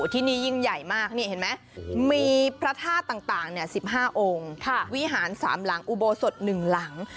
ที่นี่ยิ่งใหญ่มากนี่เห็นไหมมีพระธาตุต่าง๑๕องค์วิหาร๓หลังอุโบสถ๑หลัง